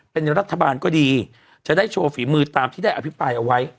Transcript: เป็นรัฐบาลก็ดีจะได้โชว์ฝีมือตามที่ได้อภิปรายเอาไว้